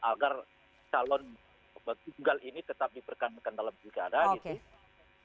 agar calon tunggal ini tetap diperkandalkan dalam wilkada gitu